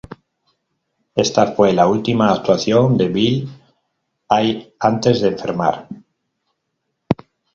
Ésta fue la última actuación de Will Hay antes de enfermar.